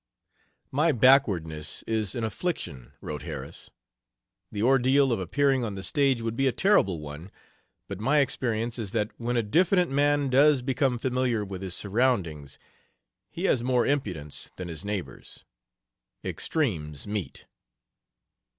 "My backwardness is an affliction," wrote Harris..... "The ordeal of appearing on the stage would be a terrible one, but my experience is that when a diffident man does become familiar with his surroundings he has more impudence than his neighbors. Extremes meet."